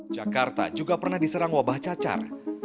jakarta juga pernah diserang wabah cacar